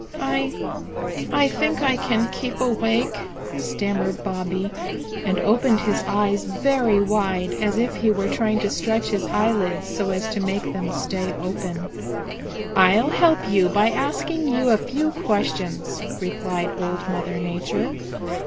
"I I think I can keep awake," stammered Bobby and opened his eyes very wide as if he were trying to stretch his eyelids so as to make them stay open. "I'll help you by asking you a few questions," replied Old Mother Nature.